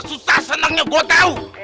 susah senangnya gua tau